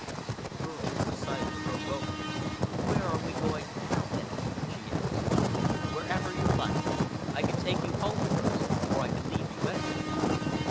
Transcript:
The girl was silent for a moment. "Where are we going now, then?" she asked. "Wherever you like. I can take you home first, or I can leave you anywhere."